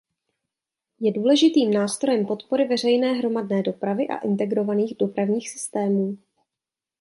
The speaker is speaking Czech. Je důležitým nástrojem podpory veřejné hromadné dopravy a integrovaných dopravních systémů.